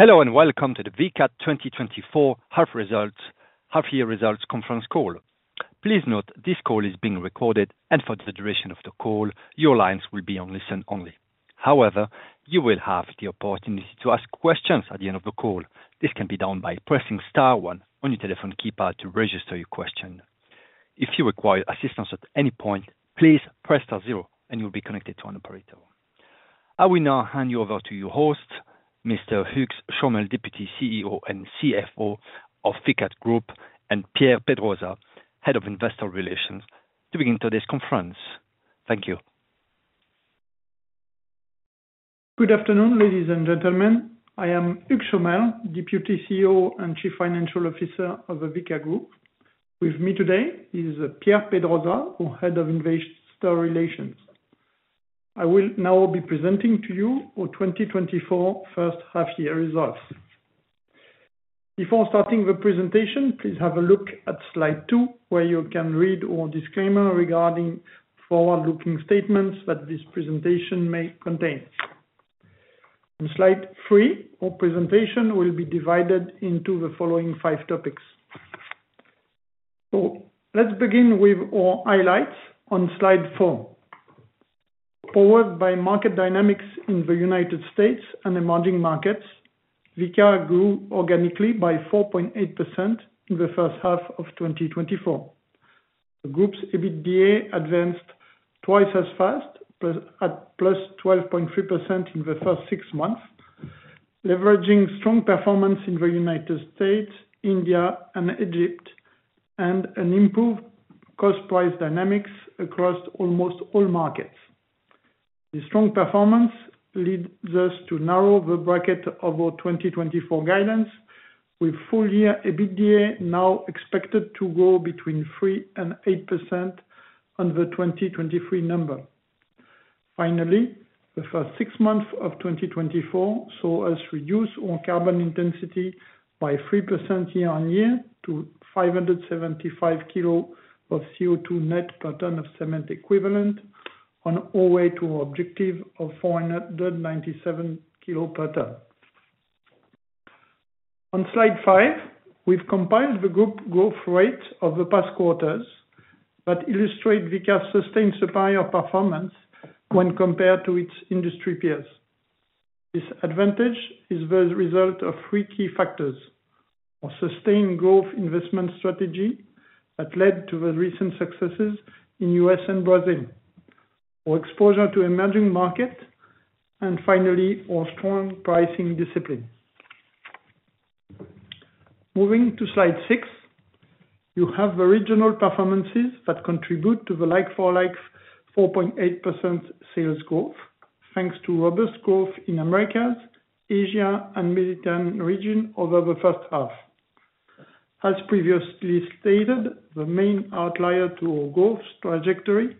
Hello, and welcome to the Vicat 2024 Half Year Results Conference Call. Please note, this call is being recorded, and for the duration of the call, your lines will be on listen only. However, you will have the opportunity to ask questions at the end of the call. This can be done by pressing star one on your telephone keypad to register your question. If you require assistance at any point, please press star zero and you'll be connected to an operator. I will now hand you over to your host, Mr. Hugues Chomel, Deputy CEO and CFO of Vicat Group, and Pierre Pedrosa, Head of Investor Relations, to begin today's conference. Thank you. Good afternoon, ladies and gentlemen. I am Hugues Chomel, Deputy CEO and Chief Financial Officer of the Vicat Group. With me today is Pierre Pedrosa, our Head of Investor Relations. I will now be presenting to you our 2024 first half year results. Before starting the presentation, please have a look at slide two, where you can read our disclaimer regarding forward-looking statements that this presentation may contain. On slide three, our presentation will be divided into the following five topics. So let's begin with our highlights on slide four. Powered by market dynamics in the United States and emerging markets, Vicat grew organically by 4.8% in the first half of 2024. The group's EBITDA advanced twice as fast, +12.3% in the first six months, leveraging strong performance in the United States, India, and Egypt, and an improved cost-price dynamics across almost all markets. The strong performance lead us to narrow the bracket of our 2024 guidance, with full-year EBITDA now expected to grow between 3% and 8% on the 2023 number. Finally, the first six months of 2024 saw us reduce our carbon intensity by 3% year-on-year, to 575 kg of CO2 net per ton of cement equivalent, on our way to objective of 497 kg per ton. On slide five, we've compiled the group growth rate of the past quarters, that illustrate Vicat's sustained superior performance when compared to its industry peers. This advantage is the result of three key factors: a sustained growth investment strategy that led to the recent successes in U.S. and Brazil, our exposure to emerging market, and finally, our strong pricing discipline. Moving to slide six, you have the regional performances that contribute to the like-for-like 4.8% sales growth, thanks to robust growth in Americas, Asia, and Mediterranean region over the first half. As previously stated, the main outlier to our growth trajectory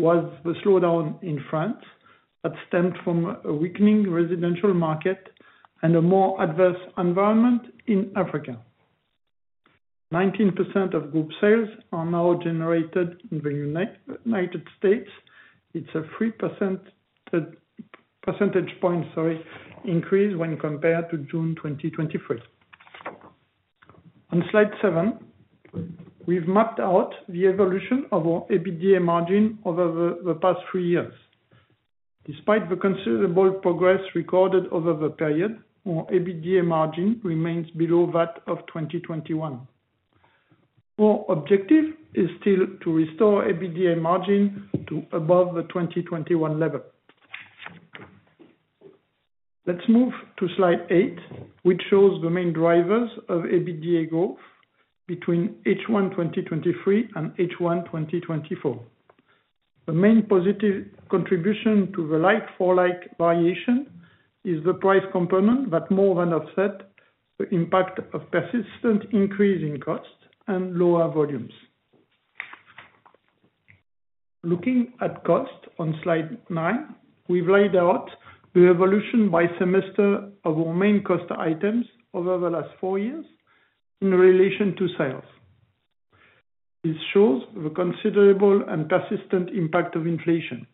was the slowdown in France, that stemmed from a weakening residential market and a more adverse environment in Africa. 19% of group sales are now generated in the United States. It's a 3% point, sorry, increase when compared to June 2023. On slide seven, we've mapped out the evolution of our EBITDA margin over the past three years. Despite the considerable progress recorded over the period, our EBITDA margin remains below that of 2021. Our objective is still to restore EBITDA margin to above the 2021 level. Let's move to slide eight, which shows the main drivers of EBITDA growth between H1 2023 and H1 2024. The main positive contribution to the like-for-like variation is the price component, that more than offset the impact of persistent increase in cost and lower volumes. Looking at cost on slide nine, we've laid out the evolution by semester of our main cost items over the last four years in relation to sales. This shows the considerable and persistent impact of inflation.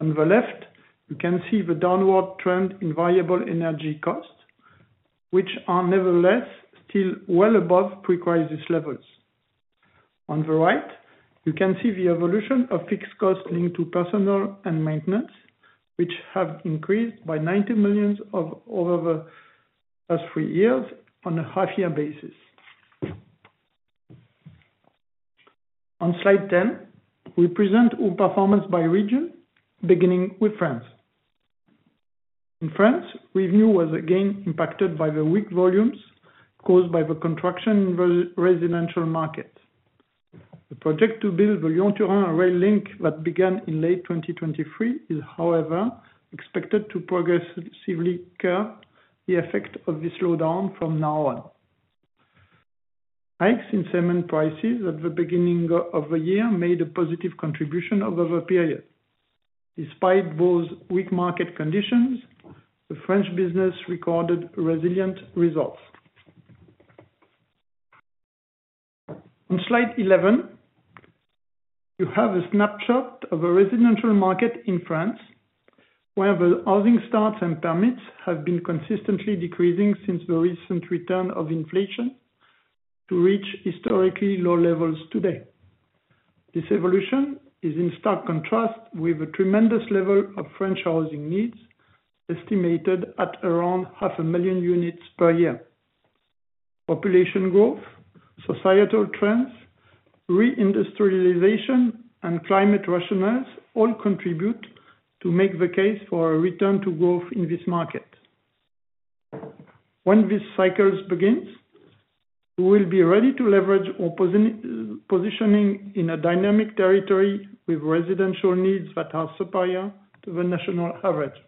On the left, you can see the downward trend in variable energy costs, which are nevertheless still well above pre-crisis levels. On the right, you can see the evolution of fixed costs linked to personnel and maintenance, which have increased by 90 million over the past three years on a half-year basis. On slide 10, we present our performance by region, beginning with France. In France, revenue was again impacted by the weak volumes caused by the contraction in the residential market. The project to build the Lyon-Turin rail link, that began in late 2023, is, however, expected to progressively curb the effect of the slowdown from now on. Hikes in cement prices at the beginning of the year made a positive contribution over the period. Despite those weak market conditions, the French business recorded resilient results. On slide eleven, you have a snapshot of the residential market in France, where the housing starts and permits have been consistently decreasing since the recent return of inflation to reach historically low levels today. This evolution is in stark contrast with a tremendous level of French housing needs, estimated at around 500,000 units per year. Population growth, societal trends, re-industrialization, and climate rationales all contribute to make the case for a return to growth in this market. When these cycles begins, we will be ready to leverage our positioning in a dynamic territory with residential needs that are superior to the national average.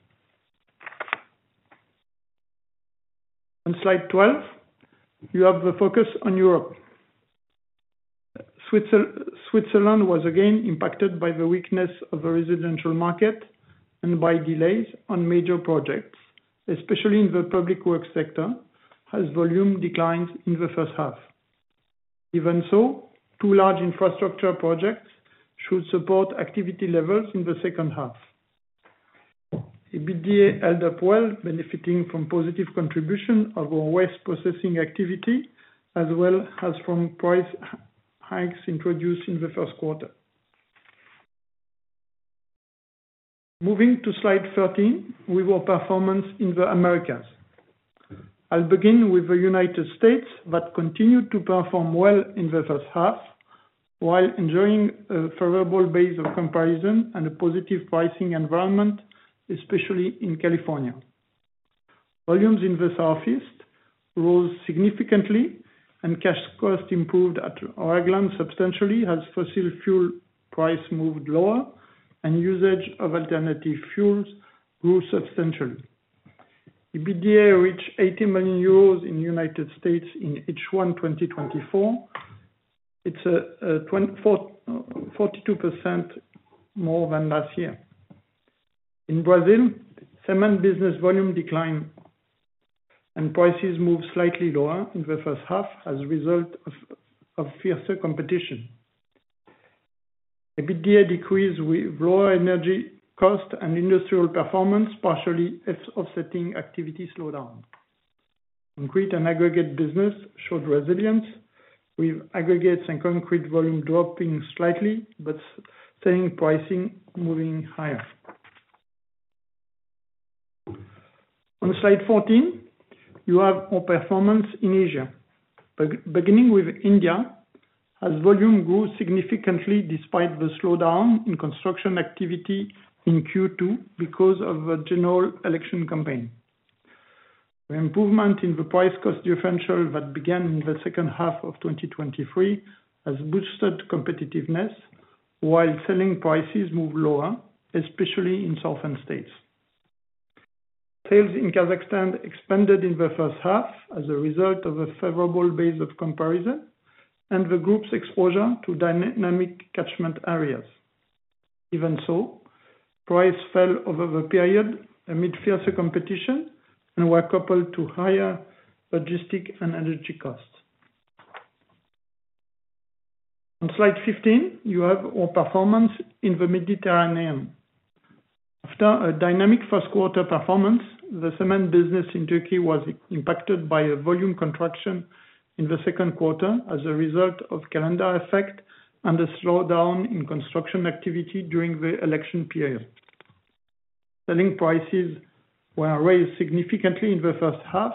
On slide twelve, you have the focus on Europe. Switzerland was again impacted by the weakness of the residential market and by delays on major projects, especially in the public works sector, as volume declined in the first half. Even so, two large infrastructure projects should support activity levels in the second half. EBITDA held up well, benefiting from positive contribution of our waste processing activity, as well as from price hikes introduced in the first quarter. Moving to slide 13 with our performance in the Americas. I'll begin with the United States that continued to perform well in the first half, while enjoying a favorable base of comparison and a positive pricing environment, especially in California. Volumes in the Southeast rose significantly, and cash cost improved at Ragland substantially, as fossil fuel price moved lower and usage of alternative fuels grew substantially. EBITDA reached 80 million euros in the United States in H1, 2024. It's 24.42% more than last year. In Brazil, cement business volume declined, and prices moved slightly lower in the first half as a result of fiercer competition. EBITDA decreased with lower energy cost and industrial performance, partially offsetting activity slowdown. Concrete and aggregate business showed resilience, with aggregates and concrete volume dropping slightly, but selling pricing moving higher. On slide 14, you have our performance in Asia. Beginning with India, as volume grew significantly despite the slowdown in construction activity in Q2 because of the general election campaign. The improvement in the price cost differential that began in the second half of 2023 has boosted competitiveness, while selling prices moved lower, especially in southern states. Sales in Kazakhstan expanded in the first half as a result of a favorable base of comparison and the group's exposure to dynamic catchment areas. Even so, price fell over the period amid fiercer competition and were coupled to higher logistics and energy costs. On slide 15, you have our performance in the Mediterranean. After a dynamic first quarter performance, the cement business in Turkey was impacted by a volume contraction in the second quarter as a result of calendar effect and a slowdown in construction activity during the election period. Selling prices were raised significantly in the first half,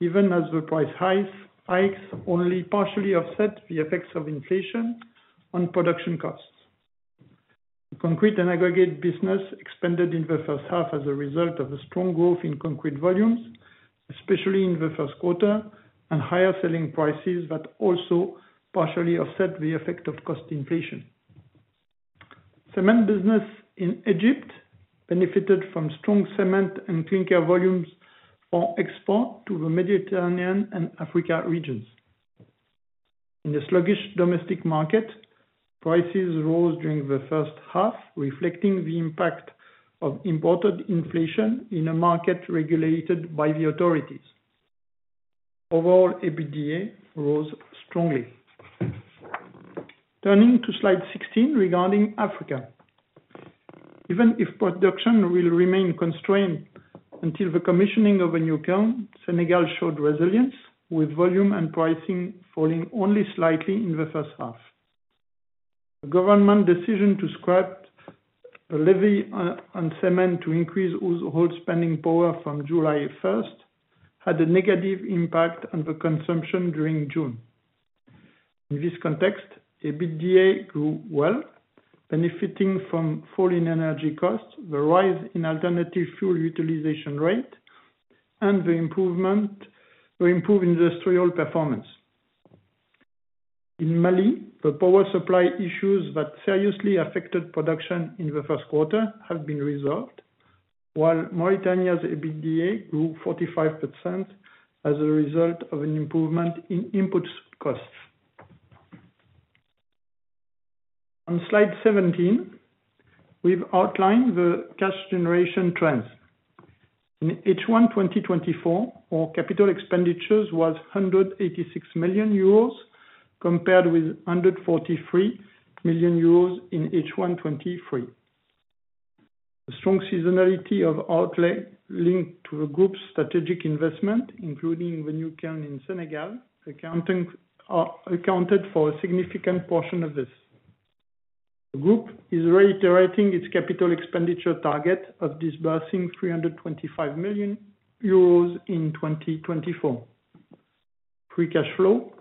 even as the price hikes only partially offset the effects of inflation on production costs. The concrete and aggregate business expanded in the first half as a result of a strong growth in concrete volumes, especially in the first quarter, and higher selling prices that also partially offset the effect of cost inflation. Cement business in Egypt benefited from strong cement and clinker volumes for export to the Mediterranean and Africa regions. In the sluggish domestic market, prices rose during the first half, reflecting the impact of imported inflation in a market regulated by the authorities. Overall, EBITDA rose strongly. Turning to slide 16, regarding Africa. Even if production will remain constrained until the commissioning of a new kiln, Senegal showed resilience, with volume and pricing falling only slightly in the first half. The government decision to scrap a levy on cement to increase household spending power from July 1st had a negative impact on the consumption during June. In this context, EBITDA grew well, benefiting from falling energy costs, the rise in alternative fuel utilization rate, and the improvement to improve industrial performance. In Mali, the power supply issues that seriously affected production in the first quarter have been resolved, while Mauritania's EBITDA grew 45% as a result of an improvement in input costs. On slide 17, we've outlined the cash generation trends. In H1 2024, our capital expenditures was 186 million euros, compared with 143 million euros in H1 2023. The strong seasonality of outlay linked to the group's strategic investment, including the new kiln in Senegal, accounted for a significant portion of this. The group is reiterating its capital expenditure target of disbursing 325 million euros in 2024. Free cash flow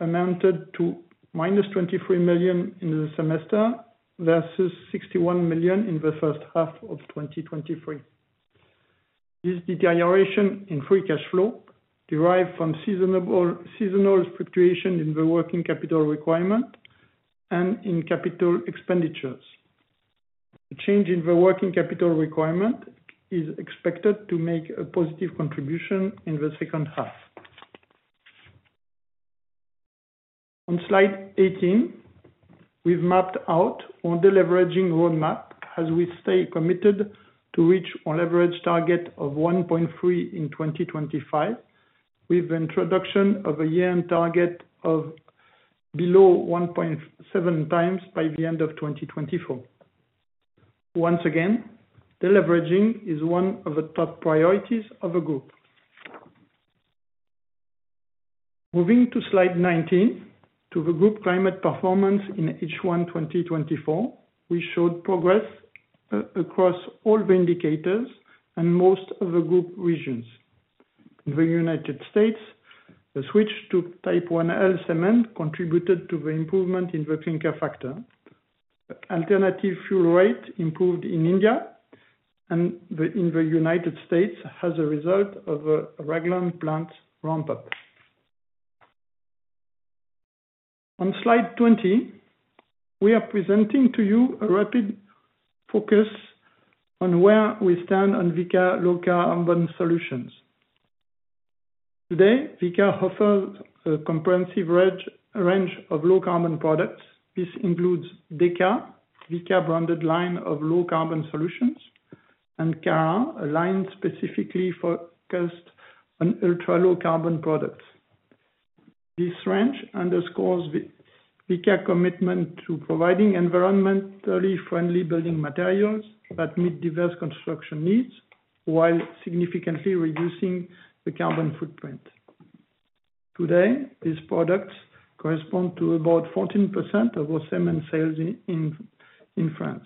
amounted to -23 million in the semester, versus 61 million in the first half of 2023. This deterioration in free cash flow derived from seasonal fluctuation in the working capital requirement and in capital expenditures. The change in the working capital requirement is expected to make a positive contribution in the second half. On slide 18, we've mapped out our deleveraging roadmap as we stay committed to reach our leverage target of 1.3 in 2025, with the introduction of a year-end target of below 1.7x by the end of 2024. Once again, deleveraging is one of the top priorities of the group. Moving to slide 19, to the group climate performance in H1 2024, we showed progress across all the indicators and most of the group regions. In the United States, the switch to Type IL cement contributed to the improvement in the clinker factor. Alternative fuel rate improved in India and in the United States as a result of a Ragland plant ramp-up. On slide 20, we are presenting to you a recap focus on where we stand on Vicat Low Carbon Solutions. Today, Vicat offers a comprehensive range of low-carbon products. This includes DECA, Vicat branded line of low-carbon solutions, and Carat, a line specifically focused on ultra-low carbon products. This range underscores the Vicat commitment to providing environmentally friendly building materials that meet diverse construction needs, while significantly reducing the carbon footprint. Today, these products correspond to about 14% of our cement sales in France.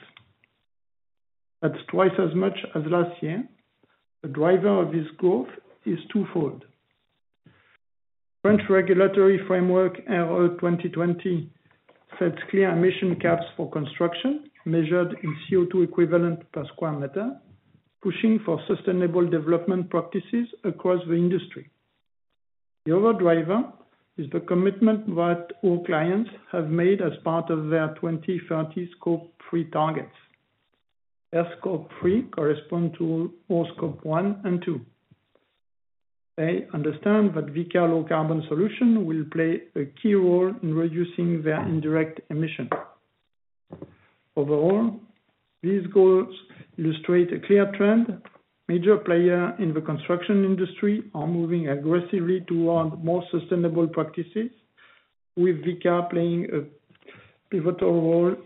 That's twice as much as last year. The driver of this growth is twofold. French regulatory framework, RE2020, sets clear emission caps for construction, measured in CO2 equivalent per square meter, pushing for sustainable development practices across the industry. The other driver is the commitment that all clients have made as part of their 2030 Scope 3 targets. Their Scope 3 correspond to all Scope 1 and 2. They understand that Vicat low-carbon solution will play a key role in reducing their indirect emission. Overall, these goals illustrate a clear trend. Major players in the construction industry are moving aggressively toward more sustainable practices, with Vicat playing a pivotal role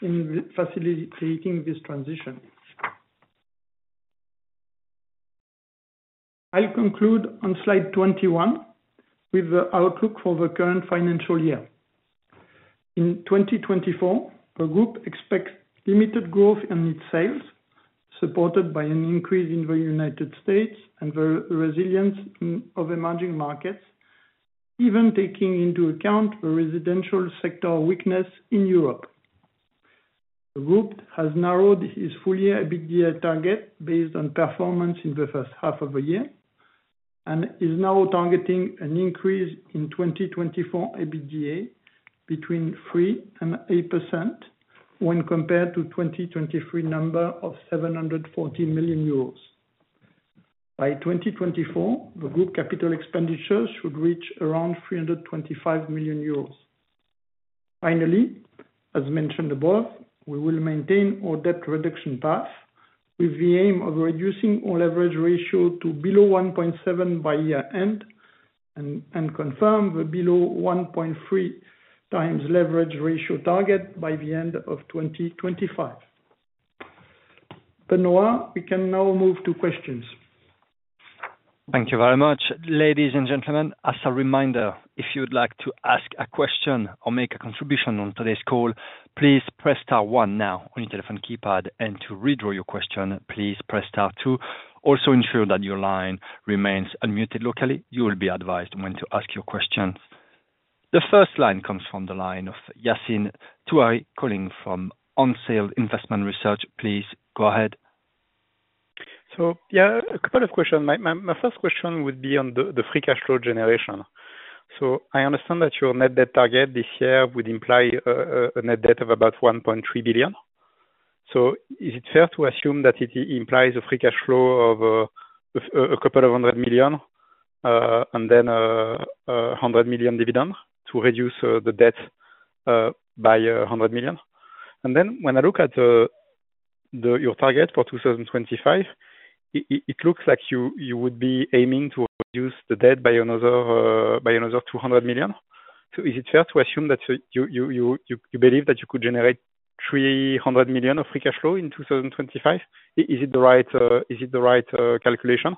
in facilitating this transition. I'll conclude on slide 21 with the outlook for the current financial year. In 2024, the group expects limited growth in its sales, supported by an increase in the United States and the resilience of emerging markets, even taking into account the residential sector weakness in Europe. The group has narrowed its full year EBITDA target based on performance in the first half of the year, and is now targeting an increase in 2024 EBITDA between 3% and 8% when compared to 2023 number of 740 million euros. By 2024, the group capital expenditures should reach around 325 million euros. Finally, as mentioned above, we will maintain our debt reduction path with the aim of reducing our leverage ratio to below 1.7 by year-end and confirm the below 1.3x leverage ratio target by the end of 2025. Benoit, we can now move to questions. Thank you very much. Ladies and gentlemen, as a reminder, if you'd like to ask a question or make a contribution on today's call, please press star one now on your telephone keypad, and to withdraw your question, please press star two. Also, ensure that your line remains unmuted locally. You will be advised when to ask your question. The first line comes from the line of Yassine Touahri, calling from On Field Investment Research. Please, go ahead. So yeah, a couple of questions. My first question would be on the free cash flow generation. So I understand that your net debt target this year would imply a net debt of about 1.3 billion? So is it fair to assume that it implies a free cash flow of a couple of hundred million, and then a 100 million dividend to reduce the debt by a 100 million? And then when I look at your target for 2025, it looks like you would be aiming to reduce the debt by another 200 million. So is it fair to assume that you believe that you could generate 300 million of free cash flow in 2025? Is it the right calculation?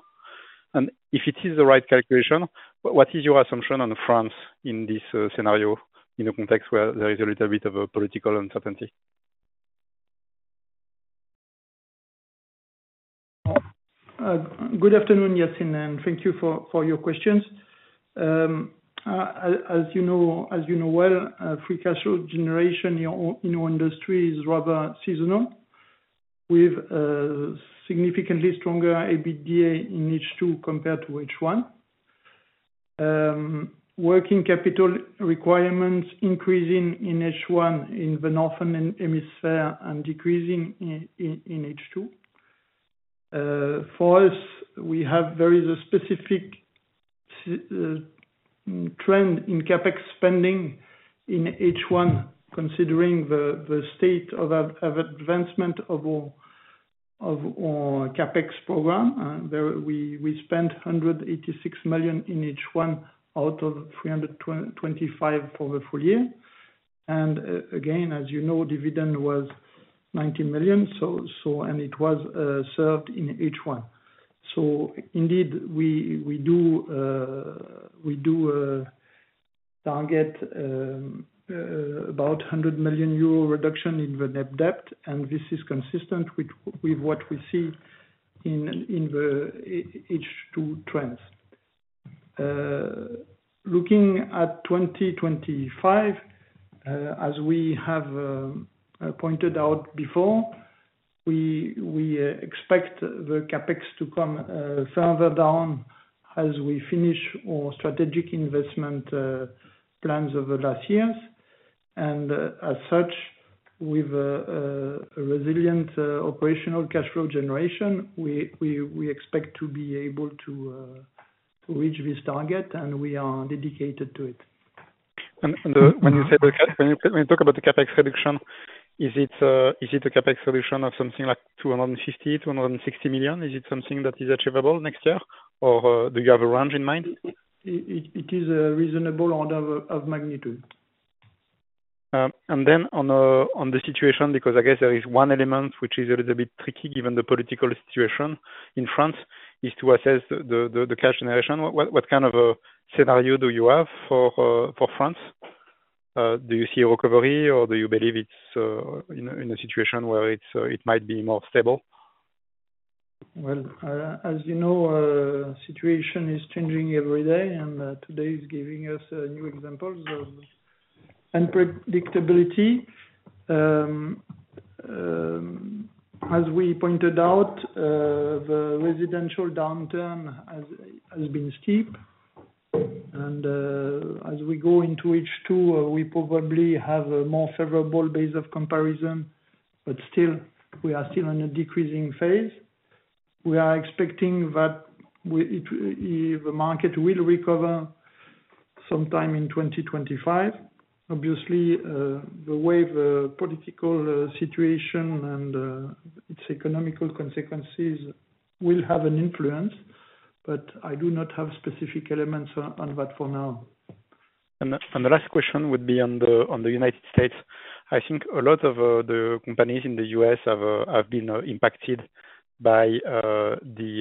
And if it is the right calculation, what is your assumption on France in this scenario, in a context where there is a little bit of a political uncertainty? Good afternoon, Yassine, and thank you for your questions. As you know, as you know well, free cash flow generation in your industry is rather seasonal, with significantly stronger EBITDA in H2 compared to H1. Working capital requirements increasing in H1, in the northern hemisphere, and decreasing in H2. For us, we have very specific trend in CapEx spending in H1, considering the state of advancement of our CapEx program. And there we spent 186 million in H1, out of 325 million for the full year. And again, as you know, dividend was 90 million, so and it was served in H1. So indeed, we do target about 100 million euro reduction in the net debt, and this is consistent with what we see in the H2 trends. Looking at 2025, as we have pointed out before, we expect the CapEx to come further down as we finish our strategic investment plans over the last years. And as such, with a resilient operational cash flow generation, we expect to be able to reach this target, and we are dedicated to it. When you talk about the CapEx reduction, is it a CapEx reduction of something like 250 million-260 million? Is it something that is achievable next year, or do you have a range in mind? It is a reasonable order of magnitude. And then on the situation, because I guess there is one element which is a little bit tricky, given the political situation in France, is to assess the cash generation. What kind of scenario do you have for France? Do you see a recovery, or do you believe it's in a situation where it might be more stable? Well, as you know, situation is changing every day, and today is giving us new examples of unpredictability. As we pointed out, the residential downturn has been steep. And, as we go into H2, we probably have a more favorable base of comparison, but still, we are still in a decreasing phase. We are expecting that the market will recover sometime in 2025. Obviously, the way the political situation and its economic consequences will have an influence, but I do not have specific elements on that for now. The last question would be on the United States. I think a lot of the companies in the U.S. have been impacted by the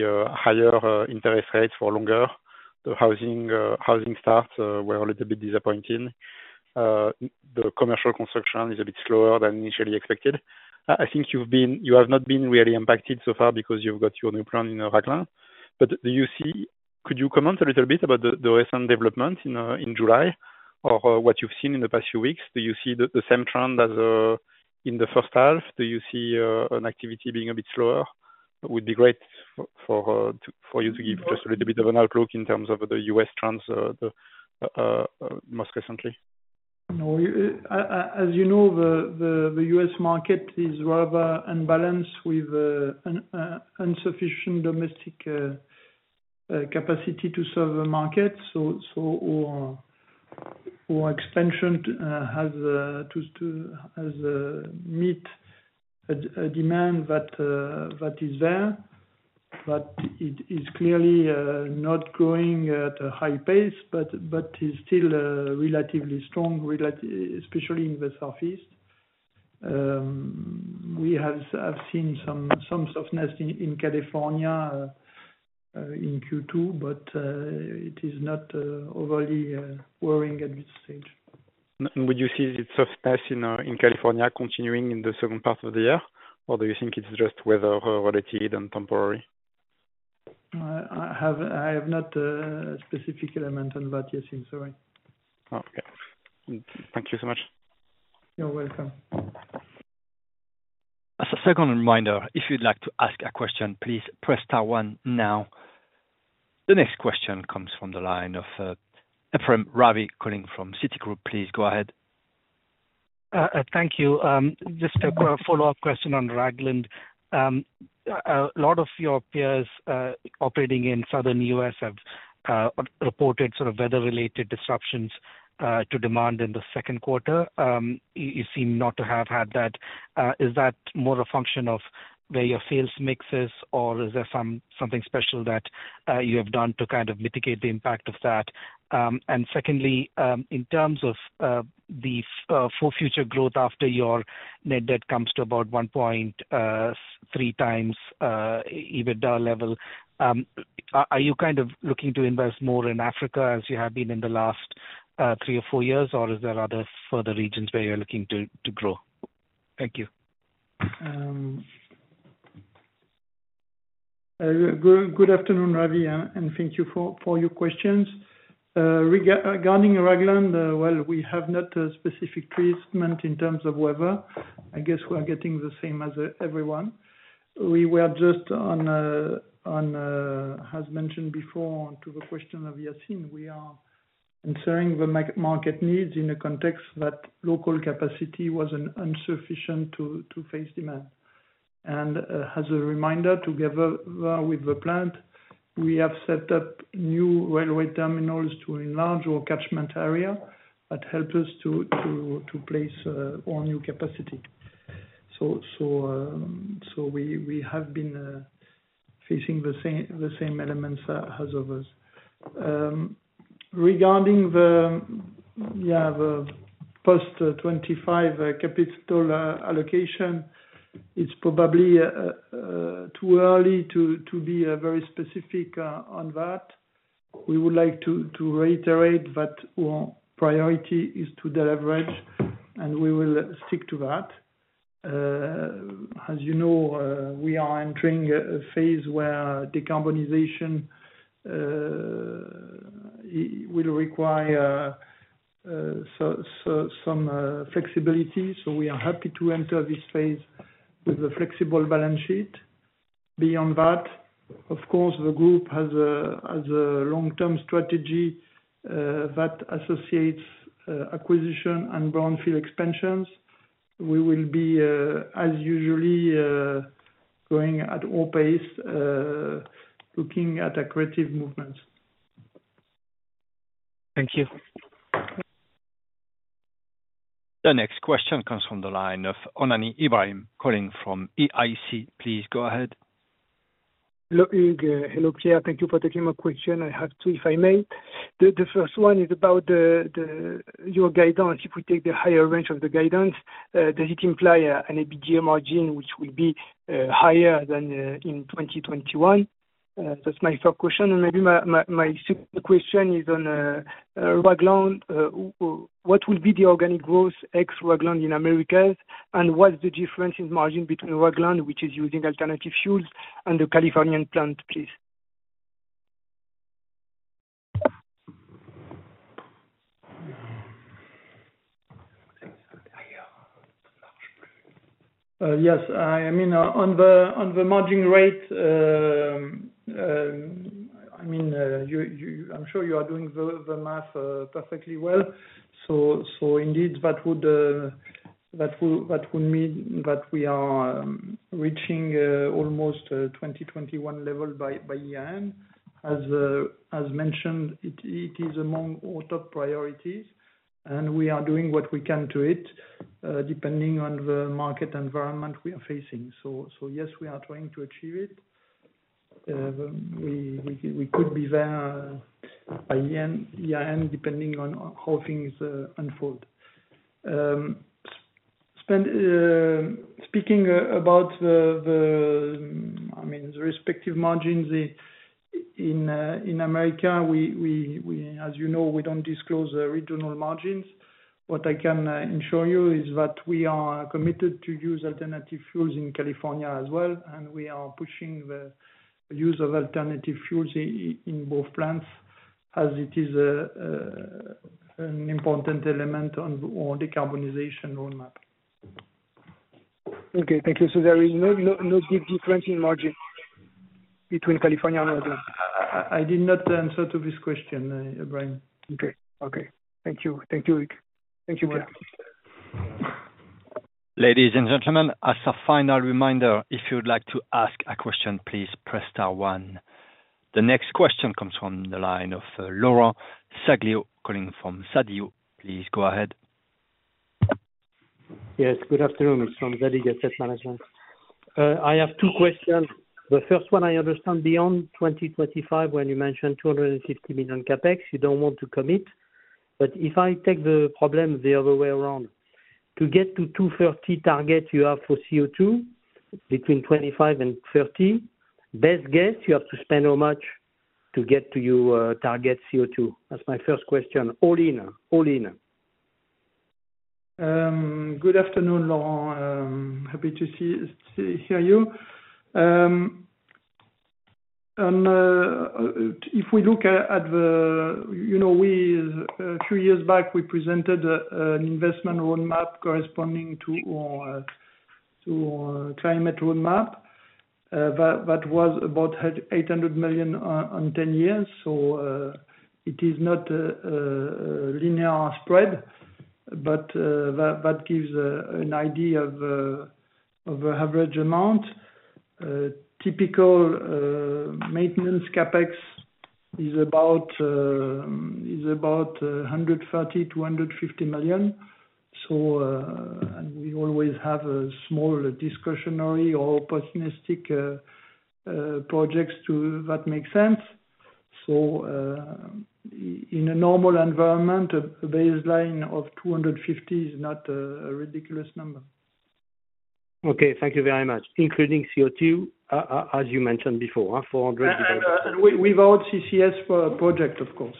higher interest rates for longer. The housing starts were a little bit disappointing. The commercial construction is a bit slower than initially expected. I think you have not been really impacted so far because you've got your new plant in pipeline. But could you comment a little bit about the recent development in July, or what you've seen in the past few weeks? Do you see the same trend as in the first half? Do you see an activity being a bit slower? It would be great for you to give just a little bit of an outlook in terms of the U.S. trends, most recently. No, as you know, the U.S. market is rather unbalanced with an insufficient domestic capacity to serve the market. So our expansion has to meet a demand that is there, but it is clearly not growing at a high pace, but is still relatively strong, especially in the Southeast. We have seen some softness in California in Q2, but it is not overly worrying at this stage. Would you see the softness in California continuing in the second part of the year, or do you think it's just weather-related and temporary? I have not a specific element on that, Yassine, sorry. Oh, okay. Thank you so much. You're welcome. As a second reminder, if you'd like to ask a question, please press star one now. The next question comes from the line of Ephrem Ravi, calling from Citigroup. Please go ahead. Thank you. Just a quick follow-up question on Ragland. A lot of your peers operating in Southern U.S. have reported sort of weather-related disruptions to demand in the second quarter. You seem not to have had that. Is that more a function of where your sales mix is, or is there something special that you have done to kind of mitigate the impact of that? And secondly, in terms of future growth after your net debt comes to about 1.3x EBITDA level, are you kind of looking to invest more in Africa as you have been in the last three or four years? Or is there other further regions where you're looking to grow? Thank you. Good afternoon, Ravi, and thank you for your questions. Regarding Ragland, well, we have not a specific treatment in terms of weather. I guess we are getting the same as everyone. As mentioned before to the question of Yassine, we are ensuring the market needs in a context that local capacity was insufficient to face demand. And, as a reminder, together with the plant, we have set up new railway terminals to enlarge our catchment area. That help us to place our new capacity. So we have been facing the same elements as others. Regarding the post-2025 capital allocation, it's probably too early to be very specific on that. We would like to reiterate that our priority is to deleverage, and we will stick to that. As you know, we are entering a phase where decarbonization will require some flexibility, so we are happy to enter this phase with a flexible balance sheet. Beyond that, of course, the group has a long-term strategy that associates acquisition and brownfield expansions. We will be, as usually, going at all pace, looking at accretive movements. Thank you. The next question comes from the line of Ebrahim Homani, calling from CIC. Please go ahead. Hello, Hugues. Hello, Pierre. Thank you for taking my question. I have two, if I may. The first one is about your guidance. If we take the higher range of the guidance, does it imply an EBITDA margin, which will be higher than in 2021? That's my first question. And maybe my second question is on Ragland. What will be the organic growth ex Ragland in Americas, and what's the difference in margin between Ragland, which is using alternative fuels, and the Californian plant, please? Yes, I mean, on the margin rate, I mean, I'm sure you are doing the math perfectly well. So, indeed, that would mean that we are reaching almost 2021 level by year-end. As mentioned, it is among our top priorities, and we are doing what we can to it, depending on the market environment we are facing. So, yes, we are trying to achieve it. We could be there by year-end, depending on how things unfold. Speaking about the, I mean, the respective margins in America, we, as you know, we don't disclose the regional margins. What I can ensure you is that we are committed to use alternative fuels in California as well, and we are pushing the use of alternative fuels in both plants, as it is an important element on decarbonization roadmap. Okay, thank you. So there is no big difference in margin between California and Ragland? I did not answer to this question, Ebrahim. Okay. Okay. Thank you. Thank you, Hugues. Thank you very much. Ladies and gentlemen, as a final reminder, if you'd like to ask a question, please press star one. The next question comes from the line of Laurent Saglio, calling from Zadig. Please go ahead. Yes, good afternoon. It's from Zadig Asset Management. I have two questions. The first one I understand, beyond 2025, when you mention 250 million CapEx, you don't want to commit. But if I take the problem the other way around, to get to 230 target you have for CO2, between 2025 and 2030, best guess, you have to spend how much to get to your target CO2? That's my first question. All in, all in. Good afternoon, Laurent. Happy to see, hear you. And if we look at the, you know, a few years back, we presented an investment roadmap corresponding to our climate roadmap, that was about 800 million on ten years. So, it is not linear spread, but that gives an idea of an average amount. Typical maintenance CapEx is about 130 million-150 million. And we always have a smaller discretionary or opportunistic projects that makes sense. In a normal environment, a baseline of 250 is not a ridiculous number. Okay, thank you very much. Including CO2, as you mentioned before, 400. And without CCS for project, of course.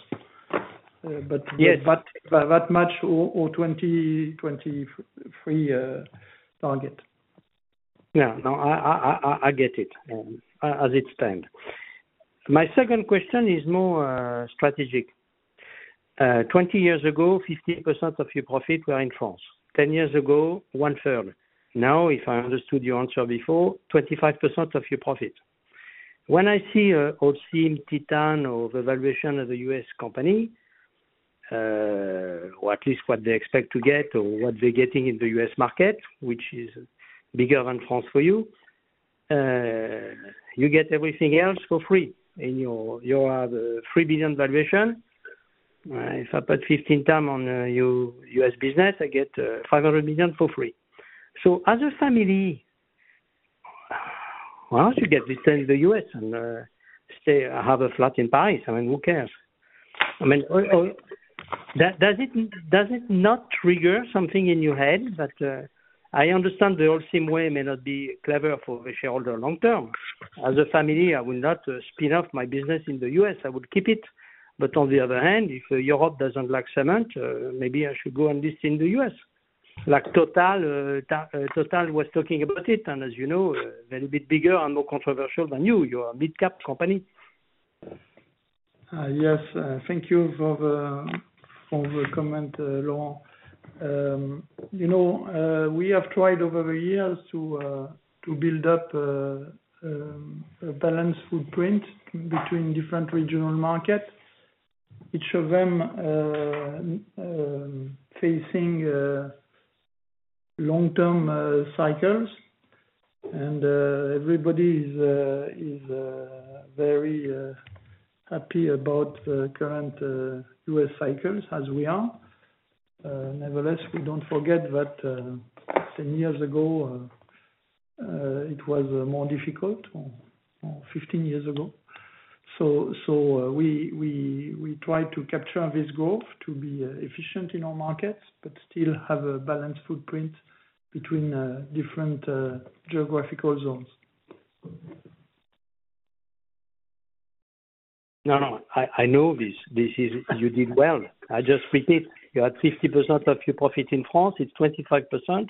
But that much or 2023 target. Yeah, no, I get it, as it stands. My second question is more strategic. 20 years ago, 50% of your profit were in France. 10 years ago, 1/3. Now, if I understood your answer before, 25% of your profit. When I see Holcim, Titan, or the valuation of a U.S. company, or at least what they expect to get, or what they're getting in the U.S. market, which is bigger than France for you. You get everything else for free in your 3 billion valuation, right? If I put 15x on your U.S. business, I get 500 million for free. So as a family, why don't you get listed in the U.S. and stay, have a flat in Paris? I mean, who cares? I mean, does it not trigger something in your head that I understand the Holcim way may not be clever for the shareholder long term. As a family, I will not spin off my business in the U.S., I would keep it. But on the other hand, if Europe doesn't like cement, maybe I should go and list in the U.S. Like Total, Total was talking about it, and as you know, they're a bit bigger and more controversial than you. You're a mid-cap company. Yes, thank you for the comment, Laurent. You know, we have tried over the years to build up a balanced footprint between different regional markets. Each of them facing long-term cycles, and everybody is very happy about the current U.S. cycles as we are. Nevertheless, we don't forget that ten years ago it was more difficult, or 15 years ago. We try to capture this growth to be efficient in our markets, but still have a balanced footprint between different geographical zones. No, no, I know this. This is. You did well. I just repeat, you had 50% of your profit in France, it's 25%.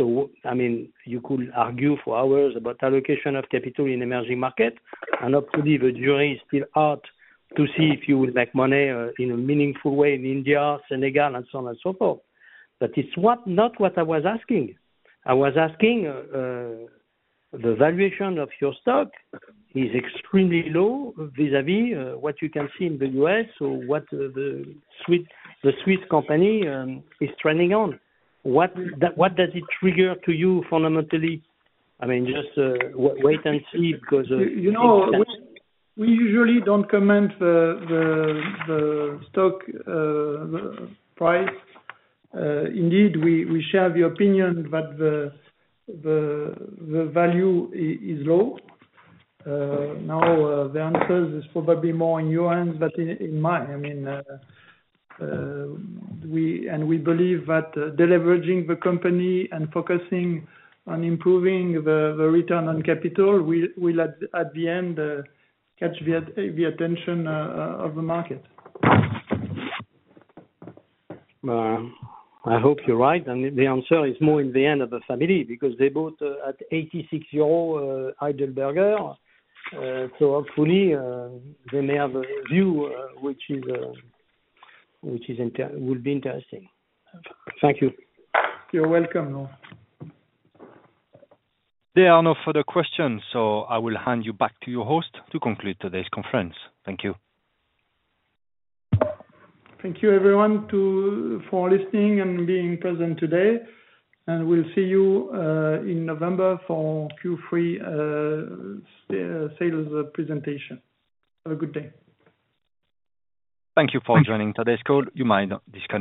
So, I mean, you could argue for hours about allocation of capital in emerging market, and the jury is still out, to see if you will make money in a meaningful way in India, Senegal, and so on and so forth. But it's not what I was asking. I was asking, the valuation of your stock is extremely low vis-a-vis what you can see in the U.S., or what the Swiss Company is trending on. What, that, what does it trigger to you fundamentally? I mean, just wait and see, because. You know, we usually don't comment the stock price. Indeed, we share the opinion that the value is low. Now, the answer is probably more on your end than in mine. I mean, we believe that deleveraging the company and focusing on improving the return on capital will at the end catch the attention of the market. Well, I hope you're right, and the answer is more in the end of the family, because they bought at 86 euro Heidelberg. So hopefully, they may have a view which will be interesting. Thank you. You're welcome, Laurent. There are no further questions, so I will hand you back to your host to conclude today's conference. Thank you. Thank you everyone for listening and being present today, and we'll see you in November for Q3 sales presentation. Have a good day. Thank you for joining today's call. You may now disconnect.